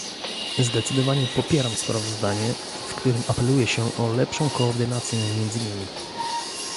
Zdecydowanie popieram sprawozdanie, w którym apeluje się o lepszą koordynację między nimi